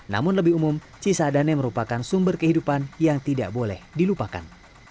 namun lebih umum cisadane merupakan sumber kehidupan yang tidak boleh dilupakan